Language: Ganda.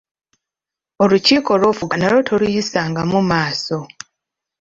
Olukiiko lw’ofuga nalwo toluyisangamu maaso.